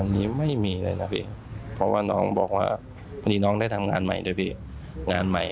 อันนี้ไม่มีเลยนะพี่เพราะว่าน้องบอกว่าวันนี้น้องได้ทำงานใหม่ด้วยพี่งานใหม่